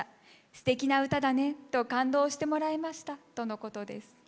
すてきな歌だねと感動してもらえましたとのことです。